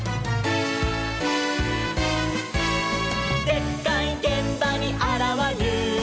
「でっかいげんばにあらわる！」